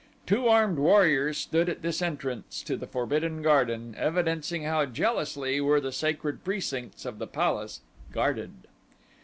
Two armed warriors stood at this entrance to the Forbidden Garden, evidencing how jealously were the sacred precincts of the place guarded.